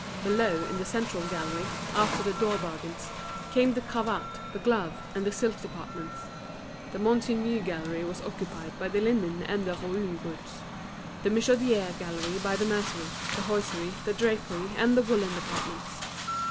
Below, in the central gallery, after the door bargains, came the cravat, the glove, and the silk departments; the Monsigny Gallery was occupied by the linen and the Rouen goods; the Michodière Gallery by the mercery, the hosiery, the drapery, and the woollen departments.